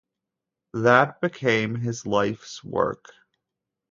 That became his life's work.